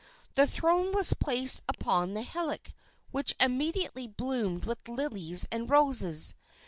The throne was placed upon the hillock, which immediately bloomed with lilies and roses.